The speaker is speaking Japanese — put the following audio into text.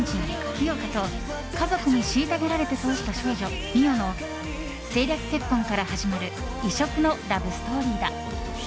清霞と家族に虐げられて育った少女美世の政略結婚から始まる異色のラブストーリーだ。